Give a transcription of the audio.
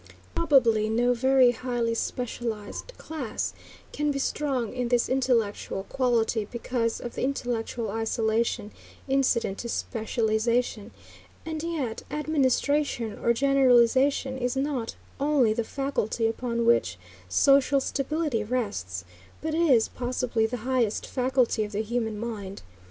Probably no very highly specialized class can be strong in this intellectual quality because of the intellectual isolation incident to specialization; and yet administration or generalization is not only the faculty upon which social stability rests, but is, possibly, the highest faculty of the human mind.